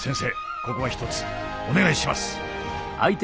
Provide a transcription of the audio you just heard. ここはひとつお願いします！